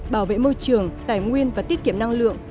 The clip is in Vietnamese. bảo vệ môi trường tài nguyên và tiết kiệm năng lượng